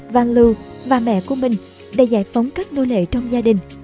van loo và mẹ của mình đã giải phóng các nô lệ trong gia đình